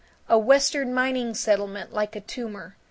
A Western mining settlement like a tumor.